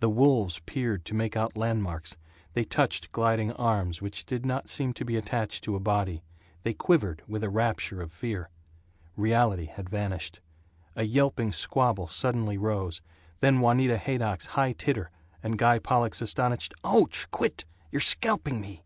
The wolves peered to make out landmarks, they touched gliding arms which did not seem to be attached to a body, they quivered with a rapture of fear. Reality had vanished. A yelping squabble suddenly rose, then Juanita Haydock's high titter, and Guy Pollock's astonished, "Ouch! Quit! You're scalping me!"